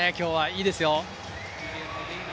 いいですよ。